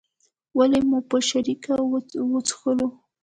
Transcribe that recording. ولې مو په شریکه وڅښلو.